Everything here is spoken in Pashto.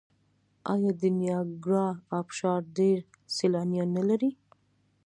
آیا د نیاګرا ابشار ډیر سیلانیان نلري؟